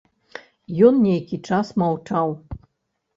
Ён нейкі час маўчаў.